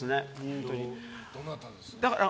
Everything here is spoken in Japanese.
どなたですか？